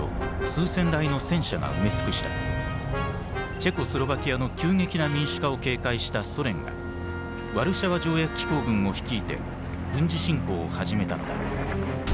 チェコスロバキアの急激な民主化を警戒したソ連がワルシャワ条約機構軍を率いて軍事侵攻を始めたのだ。